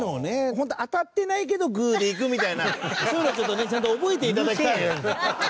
ホントは当たってないけどグーでいくみたいなそういうのをちょっとねちゃんと覚えて頂きたい。